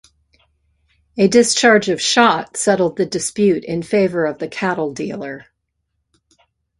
A discharge of shot settled the dispute in favor of the cattle-dealer.